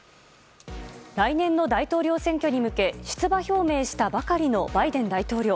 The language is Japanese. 来年の大統領選挙に向け出馬表明したばかりのバイデン大統領。